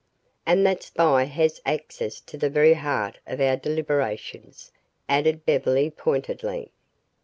"And that spy has access to the very heart of our deliberations," added Beverly pointedly.